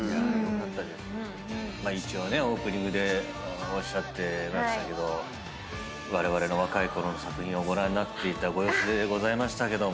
まあ一応ねオープニングでおっしゃってましたけどわれわれの若いころの作品をご覧になっていたご様子でございましたけども。